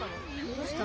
どうした？